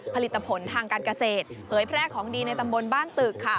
ผลิตผลทางการเกษตรเผยแพร่ของดีในตำบลบ้านตึกค่ะ